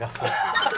ハハハハ！